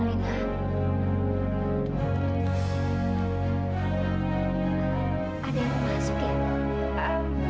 ada yang masuk ya